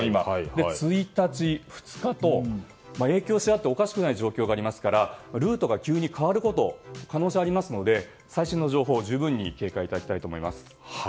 １日、２日と影響しあってもおかしくない状態なのでルートが急に変わる可能性はありますので最新の情報に十分警戒いただきたいです。